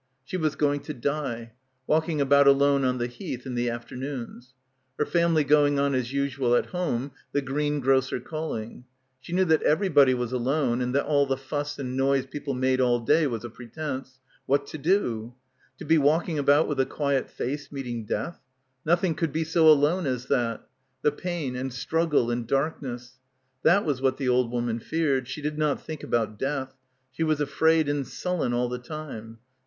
She was going to die, walking about alone on the Heath in the after noons. Her family going on as usual at home; the greengrocer calling. She knew that everybody was alone and that all the fuss and noise people made all day was a pretence. ... What to do? To be walking about with a quiet face meeting death. Nothing could be so alone as that. The pain, and struggle, and darkness. ... That was what the old woman feared. She did not think about death. She was afraid and sullen all the time.